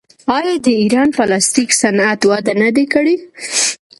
آیا د ایران پلاستیک صنعت وده نه ده کړې؟